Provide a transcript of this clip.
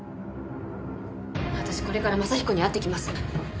私これから真彦に会ってきます。